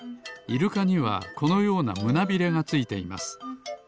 イルカにはこのようなむなびれがついています。